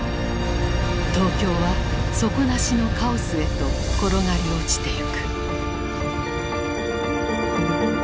東京は底なしのカオスへと転がり落ちていく。